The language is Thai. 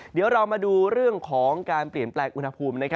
เดี๋ยวเรามาดูเรื่องของการเปลี่ยนแปลงอุณหภูมิ